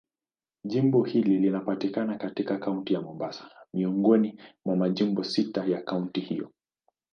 Jimbo hili linapatikana katika Kaunti ya Mombasa, miongoni mwa majimbo sita ya kaunti hiyo.